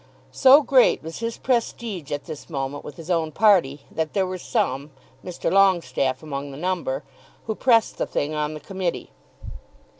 So great was his prestige at this moment with his own party that there were some, Mr. Longestaffe among the number, who pressed the thing on the committee.